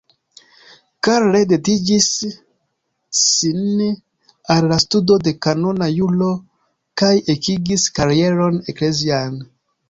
Karl dediĉis sin al la studo de kanona juro kaj ekigis karieron eklezian.